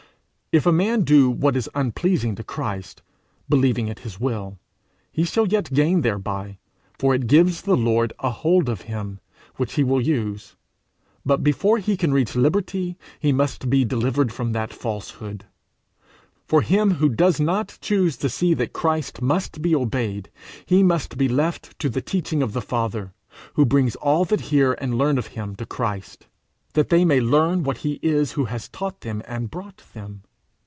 If a man do what is unpleasing to Christ, believing it his will, he shall yet gain thereby, for it gives the Lord a hold of him, which he will use; but before he can reach liberty, he must be delivered from that falsehood. For him who does not choose to see that Christ must be obeyed, he must be left to the teaching of the Father, who brings all that hear and learn of him to Christ, that they may learn what he is who has taught them and brought them.